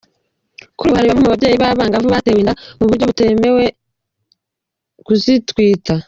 Kuri ubu hari bamwe mu babyeyi n’abangavu batewe inda mu buryo butabemerera kuzitwita.